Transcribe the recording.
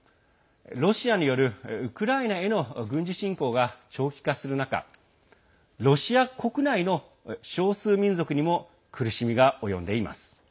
ロシアによるウクライナへの軍事侵攻が長期化する中ロシア国内の少数民族にも苦しみが及んでいます。